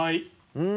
うん。